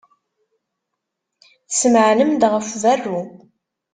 Tesmeɛnem-d ɣef berru.